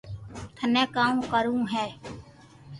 ٿني ڪاو ڪروو ھي